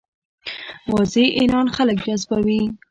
واضح اعلان خلک جذبوي.